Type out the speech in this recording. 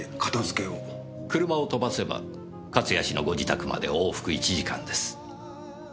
車を飛ばせば勝谷氏のご自宅まで往復１時間です。